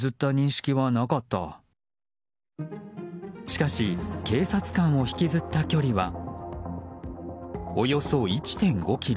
しかし警察官を引きずった距離はおよそ１．５ｋｍ。